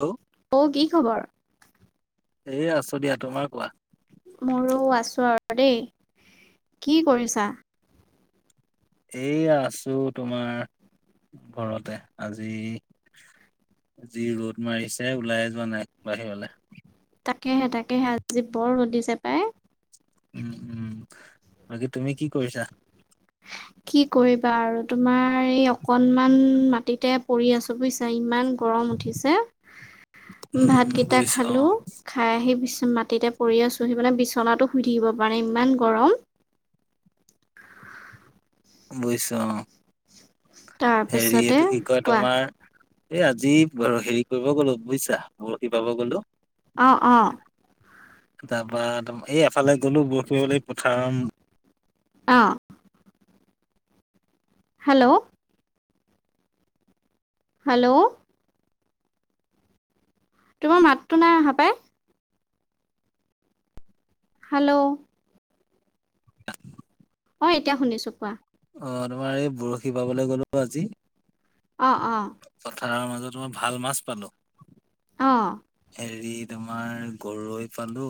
Hello অ কি খবৰ? এহ আছো দিয়া তোমাৰ কোৱা মোৰো আছো আৰু দেই কি কৰিছা এইয়া আছো তোমাৰ ঘৰতে আজি যি ৰ'দ মাৰিছে ওলাই যোৱা নাই বাহিৰলে তাকেহে তাকেহে আজি বৰ ৰ'দ দিছে পায়। উম উম, বাকী তুমি কি কৰিছা? কি কৰিবা আৰু তোমাৰ এই অকনমান মাটিতে পৰি আছোঁ বুজিছা ইমান গৰম উঠিছে। উম ভাত উম কেইটা বুজিছো অ খালো খাই আহি বিচনাত এতিয়া পৰি আছোহি মানে বিছনাতো শুই থাকিব পৰা নাই ইমান গৰম বুজিছো হেৰি তাৰপিছতে এইটো কি কয় কোৱা তোমাৰ এহ আজি হেৰি কৰিব গলো বুজিছা বৰশি বাব গলো অহ অহ তাৰপা এই এফালে গলো ‍বৰশী বাবলৈ পথাৰত অহ হেল্ল' হেল্ল' তোমাৰ মাতটো নাই অহা পাই হেল্ল' অ এতিয়া শুনিছো কোৱা। অ তোমাৰ এই বৰশী বাবলৈ গলো আজি অহ অহ পথাৰৰ মাজত ভাল মাছ পালোঁ। অহ হেৰি তোমাৰ গৰৈ পালো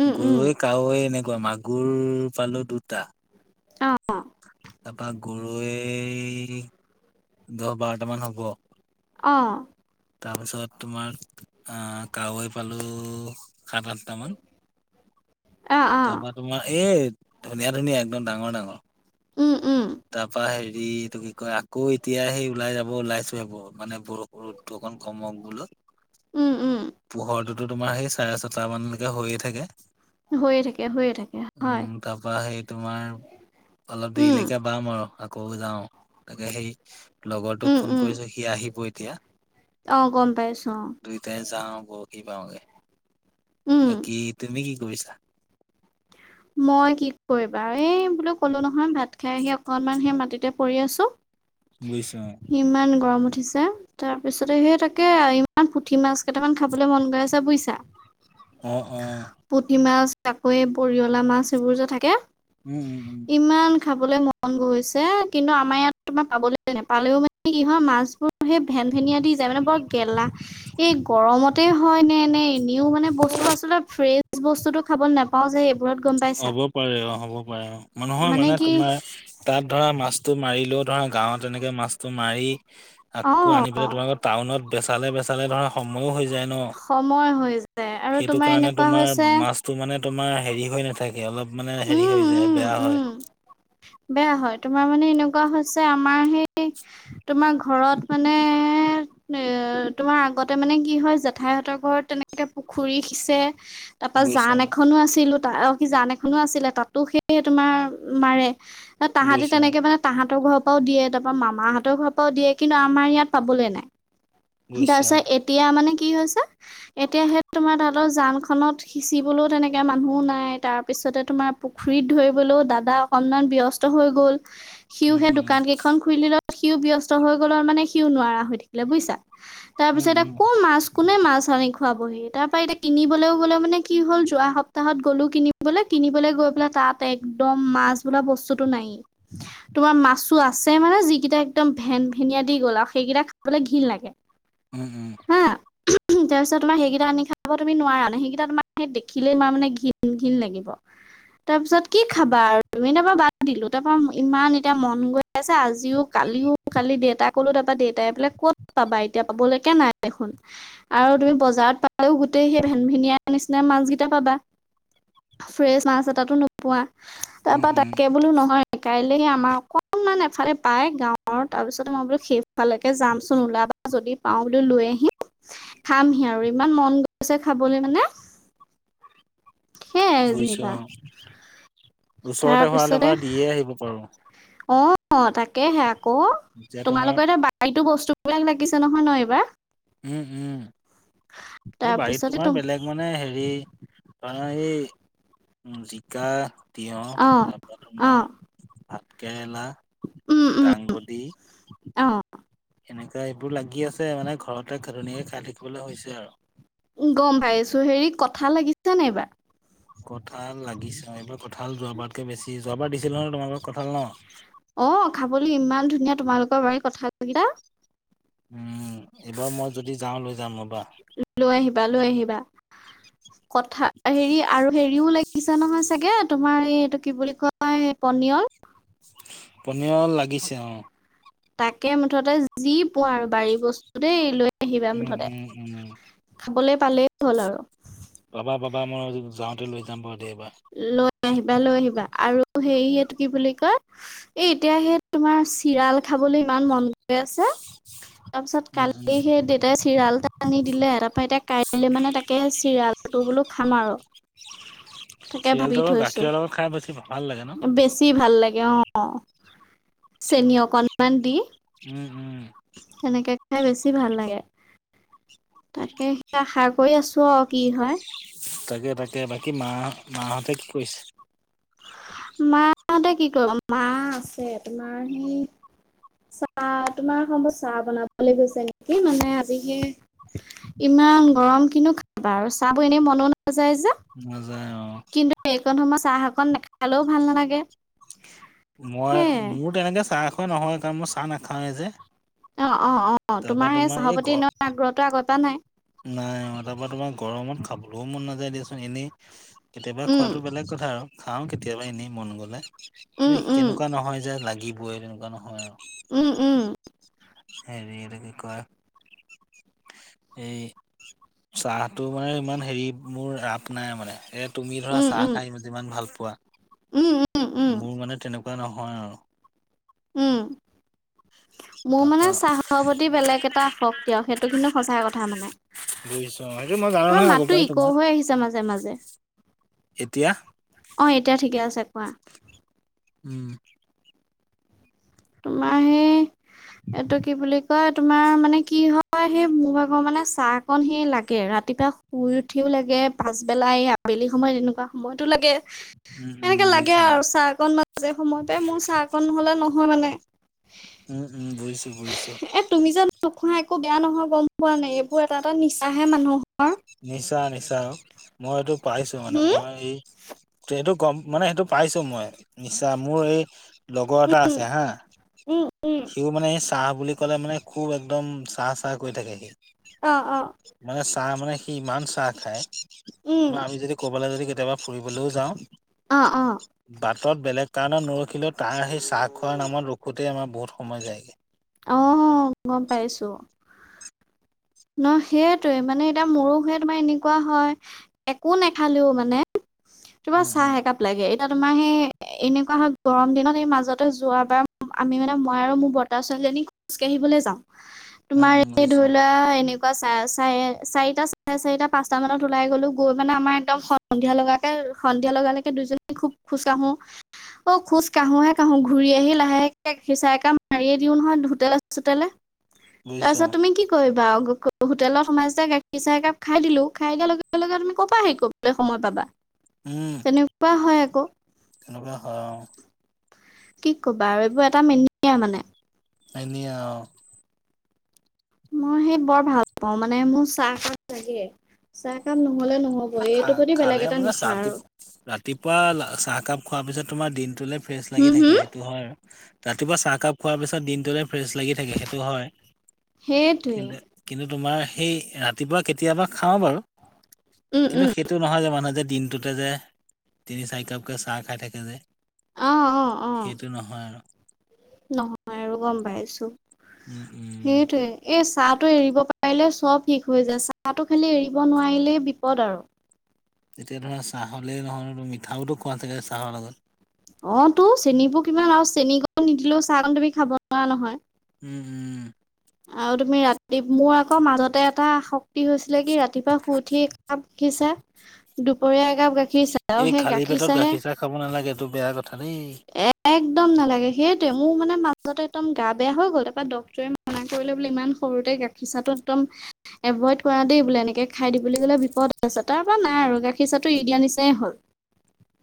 উম উম গৰৈ কাৱৈ এনেকোৱা মাছ গুৰ পালো দুটা অ তাৰপা গৰৈ দহ বাৰটামান হ'ব। অহ তাৰপিছত তোমাৰ আহ কাৱৈ পালো সাত আঠটা মান আ, আ, তাৰপা তোমাৰ এই ধুনীয়া ধুনীয়া একদম ডাঙৰ ডাঙৰ উম, উম, এই এইটো কি কয় আকৌ এতিয়া সেই ওলাই যাব ওলাইছো সেই মানে বৰষুণটো অলপ কমক বোলো। উম, উম, পোহৰটোতো তোমাৰ সেই চাৰে ছটা মানলৈকে হৈয়ে থাকে। হৈয়ে থাকে, হৈয়ে থাকে, হয়। উম তাৰপা সেই তোমাৰ অলপ উম, দেৰিলে যাম আৰু আকৌ যাওঁ তাকে সেই উম, লগৰটোক ফোন উম, কৰিছোঁ সি আহিব এতিয়া অ', গম পাইছোঁ, অ', দুইটাই যাও বৰখি বাওগে। উম। বাকী তুমি কি কৰিছা? মই কি কৰিবা এই বোলো কলো নহয় ভাত খাই আহি অকনমান সেই মাটিতে কৰি আছো বুজিছো ইমান গৰম উ ঠিছে তাৰ পিছতে সেই তাকে ইমান পুঠি মাছ কেইটামান খাবলৈ মন গ‌ই আছে বুইছা অ অ পুথি মাছ, কাৱৈ, ‌বৰিঅলা‌ মাছ এইবোৰ যে থাকে উম উম উম। ইমান খাবলৈ মন গৈছে কিন্তু আমাৰ ইয়াত তোমাৰ পাবলৈ নাপায় পালেও মানে কি হয় মাছবোৰ- সেই ভেন ভেনিয়া দি যায় মানে বৰ গেলা এই গৰমতে হয় নে এনে নিউ মানে বস্তু আচলতে ফ্ৰেছ বস্তুতটো খাবলৈ নাপাও যে এইবোৰত গম পাইছা হ'ব পাৰে অ' হ'ব পাৰে অহ মানুহৰ মানে তোমাৰ তাত ধৰা মাছটো মাৰিলেও ধৰা গাঁৱত তেনেকে মাছটো মাৰি অ আকৌ আনি পেলাই তোমালোকৰ টাউনত বেচালে -বেচালে ধৰা সময় ঔ হৈ যাই ন' সময় হৈ যায় আৰু হেতু তোমাৰ কাৰণে এনেকুৱা তোমাৰ হৈছে মাছটো মানে তোমাৰ হেৰি হৈ নাথাকে অলপ মানে হেৰি হৈ উম যায় উম বেয়া হয়। উম বেয়া হয় তোমাৰ মানে এনেকুৱা হৈছে আমাৰ সেই [unintelligible] তোমাৰ ঘৰত মানে এ তোমাৰ আগতে মানে কি হয় জেঠাইহঁতৰ ঘৰত তেনেকে পুখুৰী সিঁচে তাৰপা বুজিছো জান এখনো আছিলো সি জান এখনো আছিলে তাতো সেই তোমাৰ মাৰে। তাহাঁতি বুজিছো তেনেকে মানে তাহাঁতৰ ঘৰত ঘ পাও দিয় তাৰপা মামা হতৰ ঘৰ পৰাও দিয়ে কিন্তু আমাৰ ইয়াত পাবলৈ নাই তাৰ বুজিছো পিছত এতিয়া মানে কি কি হৈছে এতিয়া সে তোমাৰ ততৰ যান খনত সিচিবলৈও তেনেকে মানুহও নাই তাৰ পিছত পিছতে তোমাৰ পুখুৰীত ধৰিবলৈও দাদা অকনমান ব্যস্ত হৈ গল উম সিউহে উম দোকান কেইখন খুলিল সিও ব্যস্ত হৈ গ'লৰ মানে সিও নোৱাৰা হৈ থাকিলে বুইছা। তাৰ উম পিছতে উম কৰ মাছ কোনে মাছ আনি খুৱাবহি তাৰ পৰা এতিয়া কিনিবলৈও গ'লে মানে কি হ'ল যোৱা সপ্তাহত গ'লো কিনিবলৈ- কিনিবলৈ গৈ পেলাই তাত একদম মাছ বোলা বস্তুটো নাই। তোমাৰ মাছ টো আছে মানে যি কেইটা একদম ভেন - ভেনিয়া দি গ'ল আৰু সেইকেইটা খাবলৈ ঘিণ লাগে। উম -উম হা তাৰপিছত তোমাৰ সেইকেইটা আনি খাব তুমি নোৱাৰা নে সেইকেইটা তোমাৰ সেই দেখিলেই তোমাৰ মানে ঘীণ -ঘীণ লাগিব। তাৰপিছত কি খাবা আৰু তুমি তাৰপা দিলো তাৰ পা ইমান এতিয়া মন গৈ আছে আজিও, কালিও কালি দেউতাই কলো তাৰ পা দেউতাই পোলে ক'ত পাবা এতিয়া পাবলৈকে নাই। দেখোন আৰু তুমি বজাৰত পালেও গোটেই সেই ভেনভেনীয়া নিচিনা মাছ কেইটা পাবা। ফ্ৰেছ মাছ এতাতো নোপোৱা। উম তাৰপৰা -উম তাকে বোলো নহয় কাইলৈ আমাৰ অকনমান এফালে পায় গাঁৱৰ, তাৰপিছতে মই বোলো সেইফালেকে যাম তুমি ওলাবা যদি পাওঁ বুলি লৈ আহি খামহি আৰু ইমান মন গৈছে খাবলৈ মানে সেয়াই বুইছা যেনিবা ওচৰতে হোৱালে পৰা দিয়ে আহিব পাৰো। অহ, তাকেহে আকৌ এতিয়া তোমাৰ তোমালোকৰ এতিয়া বাৰীতো বস্তু [unintelligible] লাগিছে নহয় ন' এইবাৰ? উম -উম এই বাৰীত তাৰপিছতে তোমাৰ তুম বেলেগ মানে হেৰি ধৰা এই উম জিকা অ তিঁয়হ তাৰপ অ তোমাৰ ভাতকেৰেলা উম উম দাংবডী অ এনেকা এইবোৰ লাগি আছে মানে ঘৰতে ধুনীয়াকে খাই থাকিবলে হৈছে আৰু। উম, গম পাইছো হেৰি কথা লাগিছে নে এইবাৰ? কঁঠাল লাগিছে এইবাৰ কঁঠাল যোৱা বাৰতকে বেছি যোৱাবাৰ দিছিলো নহয় তোমালোকক কঁঠাল ন'? অহ, খাবলৈ ইমান ধুনীয়া তোমালোকৰ বাৰি কথাল কেইটা উম, এইবাৰ মই যদি যাওঁ লৈ যাম ৰবা। লৈ আহিবা- লৈ আহিবা কথা হেৰি আৰু হেৰিও লাগ পিছা নহয় চাগে তোমাৰ এই এইটো কি বুলি কয় পনিয়ল পনীয়ল লাগিছে অ'। তাকে মুঠতে যি পোৱা আৰু বাৰী বস্তু দেই লৈ আহিবা উম মুঠতে উম উম খাবলৈ পালেই হ'ল আৰু পাবা পাবা মই যাওঁতে লৈ যাম বাৰ লৈ আহিবা লৈ আহিবা আৰু সেৰিয় কি বুলি কয় এ এতিয়া সেই তোমাৰ চিৰাল খাবলৈ ইমান মন গৈ আছে। [inaudible] তাৰপিছত উম কালি উম সেই দেউতাই চিৰাল এটা আনি দিলে তাৰ পৰা এতিয়া কাইলে মানে তাকে চিৰালটো বোলো সামাৰক থাকে ভাবি চিৰিয়েলটো থৈছো গাখীৰৰ লগত খাই বেছি ভাল লাগে ন বেছি ভাল লাগে অ অ চেনী অকণমান দি উম উম তেনেকে খাই বেছি ভাল লাগে তাকে সেয়া শাক কৰি আছোঁ আৰু কি হয়। তাকে- তাকে বাকী মা -মাহঁতে কি কৰিছে? মা হতে কি কৰিব মা আছে তোমাৰ সেই চাহ তোমাৰ সম্ভৱ চাহ বনাবলৈ গৈছে নেকি মানে আজি ইমান গৰম কিনো খাবা আৰু চাহ এনে মন য যে নাযায় অ' কিন্তু এইকণ সময় চাহক নাখালেও ভাল নালাগে। [unintelligible] মই সেয়াই মোৰ তেনেকে চাহ খোৱা নহয় কাৰণ মই চাহ নাখাওৱেই যে অ অ অ তাৰপা তোমাৰ সেই এই ঘৰ চাহপতিনৰ আগ্ৰহটো আগৰ পৰা নাই। [unintelligible] নাই তাৰাপা তোমাৰ গৰমত খাবলৈও মন নাযায় দিয়াচোন এনেই। কেতিয়াবা উম খোৱাতটো বেলেগ কথা আৰু খাওঁ কেতিয়াবা এনেই মন গলে উম কিন্ত উম তেনেকুৱা নহয় যে লাগ [unintelligible] লাগিবই এনেকুৱা নহয় আৰু উম উম হেৰি ল কি কয়? এই চাহটো মানে ইমান হেৰি মোৰ ৰাপ নাই মানে ই তুমি ধৰা উম চাহ উম খাই যিমান ভাল পোৱা উম উম উম মোৰ মানে তেনেকুৱা কোৱা নহয় আৰু উম মোৰ মানে তাৰপা চাহৰ প্ৰতি বেলেগ এটা আসক্তি দিয়ক সেইটো কিন্তু সঁচা কথা মানে। বুজিছো সেইটো মই জানো তোৰ নহয় আগৰ মাতটো পৰাই ইক তোমাৰ হৈ আহিছে মাজে মাজে এতিয়া অঁ এতিয়া ঠিকে আছে। কোৱা উম তোমাৰ সেই এইটো কি বুলি? কয় তোমাৰ মানে কি হয় সেই মোৰ আগৰ মানে চাহকন সি লাগে ৰাতিপুৱা শুই উঠিও। লাগে পাছবেলাই আবেলি সময় এনেকুৱা সময়তো লাগে। উম, উম, এনেকে লাগে বুজিছো অ'। আৰু চাহ অকণ মাজে সময় পাই মোৰ চাহ অকনহলে নহয় মানে। [inaudible] উম উম বুজিছোঁ বুজিছো। খা একো বেয়া নহয় গম পোৱা নাই এইবোৰ এটা এটা নিচাহে মানুহৰ। নিচা নিচা মই এইটো পাইছো মানে হম মই এই এইটো গম মানে সেইটো পাইছো মই নিশ্চয় মোৰ এই লগৰ এটা আছে হা উম উম সিও মানে চাহ বুলি ক'লে মানে খুব একদম চাহ চাহ কৰি থাকে সি অ অ মানে চাহ মানে সি ইমান চাহ খায় উম তোমাৰ আমি যদি ক'বলৈ যদি কেতিয়াবা ফুৰিবলৈও অ অ যাওঁ বাটত বেলেগ কাৰণ নৰখিলৈও তাৰ সেই চাহ খোৱাৰ নামত ৰখোতেই আমাৰ বহুত সময় যায়গৈ আহ গম পাইছো ন সেইটোৱে মানে এতিয়া মোৰো তোমাৰ এনেকুৱা হয় একো নেখালেও মানে। তোমাৰ উম, চাহ উম, একাপ লাগে এই। এতিয়া তোমাৰ সেই এনেকুৱা হয় গৰম দিনত এই মাজতে যোৱাবাৰ আমি মানে মই আৰু মোৰ বতাৰ চো। জনি খোজ কাঢ়িবলৈ যাও উম, তোমাৰ উম, এই বুজিছো ধৰি লোৱা এ। এনেকুৱা চ চাৰে চাৰিটা চাৰে চাৰিটা পাঁচটা মানত ওলাই গ'লো গৈ মানে আমাৰ একদম সন্ধিয়া লগ কে। সন্ধিয়া লগালেকে দুইজনী খুব খোজকাঢ়ো। অ খোজ কাঢ়োহে কাহো ঘূৰি আহি লাহেকে সিঁচাই মাৰিয়ে দিওঁ নহয় হোটেলে চোটেলে। বুজিছো তাৰপিছত অ', তুমি কি কৰিবা। হোটেলত সোমাইছে গাখীৰ চাহ একাপ খাই দিলো খাই দিয়াৰ লগে লগে তুমি ক'ব পৰা হেৰিলৈ সময় পাবা। উম তেনেকুৱা হয় আকৌ তেনেকোৱা অ। কি কবা আৰু এইবোৰ এটা মিনিয়া মানে। এনে আও। মই সেই বৰ ভাল পাওঁ মানে মোৰ চাহকাপ লাগে চাহকাপ নহ'লে নহ'ব খ এইটোৰ প্ৰতি বেলেগ খালে এটা মানে নিচা চাহ আৰু ৰাতিপুৱা চাহকাপ খোৱাৰ পিছত তোমাৰ দিনটোলে ফ্ৰেচ লাগি হুম থাকে হুম সেইটো হয় ৰাতিপুৱা চাহকাপ খোৱাৰ পিছত দিনটোতে ফ্ৰেছ লাগি থাকে সেইটো হয় সেইটোৱে। কিন্তু কিন্তু তোমাৰ সেই ৰাতিপুৱা কেতিয়াবা খাও বাৰু উম কিন্তু উম সেইটো নহয় যে মানুহে যে। দিনটোতে যে তিনি চাৰি কাপকে চাহ খাই থাকে যে। অ অ অ সেইটো নহয় আৰু। নহয় আৰু গম পাইছো উম উম সেইটোয়ে এ। চাহটো এৰিব পাৰিলে চব শিকো হৈ যায় চাহটো খালী এৰিব নোৱাৰিলেই বিপদ আৰু। তেতিয়া ধৰা চাহলেই নহ'লে মিঠাওতো খোৱা থাগে চাহৰ লগত। অ তো চেনিবোৰ কিমান আৰু চেনীকণ নিদিলেও চাহকণ তুমি খাব নোৱাৰা নহয়। উম উম। আৰু তুমি ৰাতি মোৰ আকৌ মাজতে এটা আ শক্তি হৈছিলে কি ৰাতিপুৱা শুই উঠি কাপি। দুপৰীয়া একাপ গাখীৰ চাহ এই সেই খালী গাখীৰ পেটত চাহে। চাহ খাব নালাগে এইটো বেয়া কথা দেই একদম নালাগে সেইটোৱে মোৰ মানে। মাজতে একদম গা বেয়া হৈ গ'ল তাৰপ ডটৰে মনা কৰিলে বোলে ইমান সৰুতে গাখীৰ চাহটো একদম। এভইড কৰা দেই বোলে এনেকে খাই দিব বুলি গ'লে বিপদ আছে তাৰ পৰা নাই আৰু গাখীৰ চাহটো এৰি দিয়াৰ নিচাই হ'ল। [unintelligible]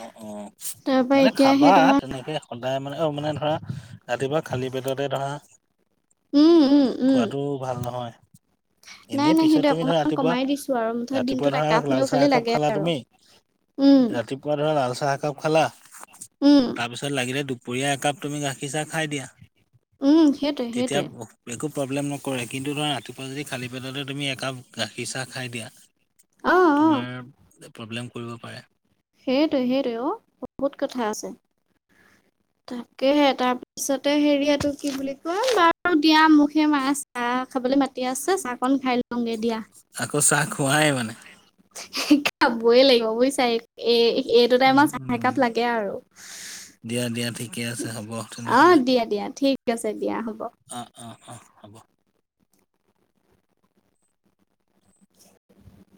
অ অ তাৰপৰা মানে এতিয়া খাবা সেই তোমাৰ তেনেকে সদায়। মানে অ মানে ধৰা ৰাতিপুৱা খালী পেটতে ধৰা। উম উম উম খোৱাটো ভাল নহয়। নাই এনেই নাই পিছত সেইটো তুমি ধৰা অকমান ৰাতিপুৱা কমাই দিছো আৰু মুঠতে ৰাতিপুৱা দিনটোত ধৰা একাপ লাল হ'লেও চাহ খালি একাপ লাগে খালা তুমি। উম ৰাতিপুৱা ধৰা। লাল চাহ একাপ খালা উম তাৰপিছত লাগিলে দুপৰীয়া একাপ তুমি গাখীৰ চাহ খাই দিয়া। উম সেইটোৱে সেইটোৱে তেতিয়া। প্ৰব্লেম নকৰে কিন্তু ধৰা ৰাতিপুৱা যদি খালী পেটতে তুমি একাপ গাখীৰ চাহ খাই দিয়া। অ অ তোমাৰ প্ৰব্লেম কৰিব পাৰে। সেইটোৱে সেইটোৱ অ বহুত কথা আছে। [unintelligible] তাকেহে তাৰ পিছতে হেৰি এইটো কি বুলি কয় বাৰু দিয়া মোক সে মায়ে চাহ খাবলৈ মাতি। আছে চাহকন খাই লওঁগে দিয়া। আকৌ চাহ খোৱাই মানে খাবই লাগিব বুজিছাই এ। এইটো উম টাইমত চাহ উম একাপ লাগে আৰু। এয়া ঠিকে আছে হ'ব তেনেহ'লে। অ' দিয়া দিয়া ঠিক আছে দিয়া হ'ব। অ অ অ হ'ব। [unintelligible]